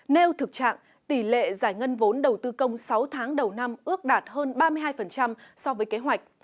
nêu thực trạng tỷ lệ giải ngân vốn đầu tư công sáu tháng đầu năm ước đạt hơn ba mươi hai so với kế hoạch